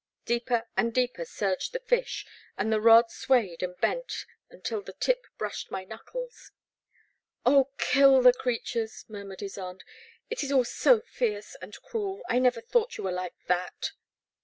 Deeper and deeper surged the fish, and the rod swayed and bent until the tip brushed my knuckles. 0h, kill the creatures, murmured Ysonde, '* it is all so fierce and cruel, — I never thought you were like that